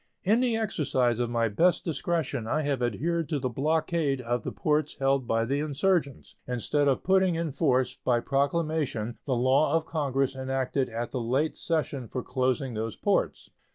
In the exercise of my best discretion I have adhered to the blockade of the ports held by the insurgents, instead of putting in force by proclamation the law of Congress enacted .at the late session for closing those ports.